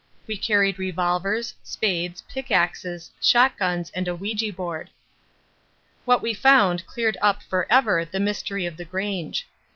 We carried revolvers, spades, pickaxes, shotguns and an ouija board. What we found cleared up for ever the mystery of the Grange.